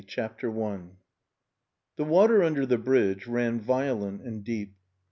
PART THIRD I The water under the bridge ran violent and deep.